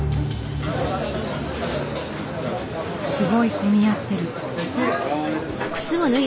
すごい混み合ってる。